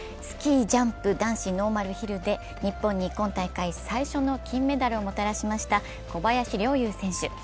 スキージャンプ男子ノーマルヒルで、日本に今大会最初の金メダルをもたらしました小林陵侑選手。